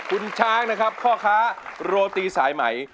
คุณช้างนะครับพ่อค้าโรตีสายไหม